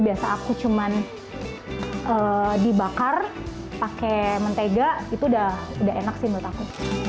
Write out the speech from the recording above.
biasa aku cuman dibakar pakai mentega itu udah enak sih menurut aku